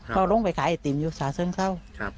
เขาลงไปขายไอติมอยู่สะเซิงเท่า